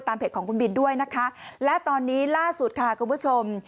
เพจของคุณบินด้วยนะคะและตอนนี้ล่าสุดค่ะคุณผู้ชม